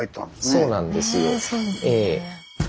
そうなんですよ。